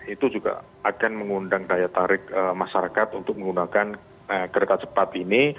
itu juga akan mengundang daya tarik masyarakat untuk menggunakan kereta cepat ini